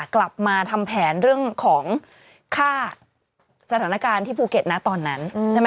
กลับมาทำแผนเรื่องของค่าสถานการณ์ที่ภูเก็ตนะตอนนั้นใช่ไหม